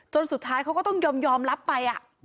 สุดท้ายเขาก็ต้องยอมรับไป